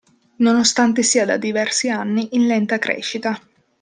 Nonostante sia da diversi anni in lenta crescita.